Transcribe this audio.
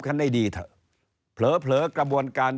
ฐานนี้มันน่าจะทำกันเป็นกระบวนการหรอก